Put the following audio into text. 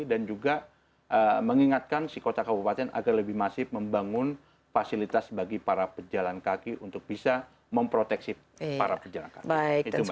dan juga mengingatkan si kota kabupaten agar lebih masif membangun fasilitas bagi para pejalan kaki untuk bisa memproteksi para pejalan kaki